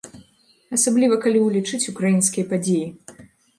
Асабліва калі ўлічыць украінскія падзеі.